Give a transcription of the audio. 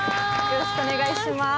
よろしくお願いします。